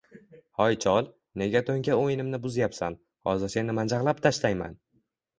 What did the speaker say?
— Hoy chol, nega to’nka o’yinimni buzyapsan? Hozir seni majag’lab tashlayman!